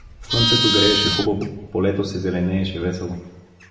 Слънцето грееше хубаво, полето се зеленееше весело.